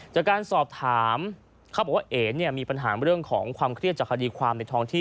จากการสอบถามเขาบอกว่าเอ๋เนี่ยมีปัญหาเรื่องของความเครียดจากคดีความในท้องที่